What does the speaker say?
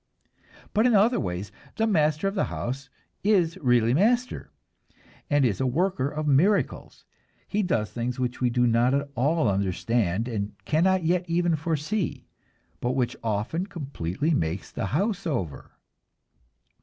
But in other ways the master of the house is really master, and is a worker of miracles. He does things which we do not at all understand, and cannot yet even foresee, but which often completely make the house over.